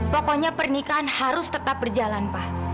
pokoknya pernikahan harus tetap berjalan pak